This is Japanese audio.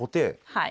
はい。